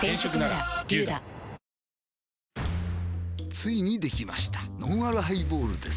ついにできましたのんあるハイボールです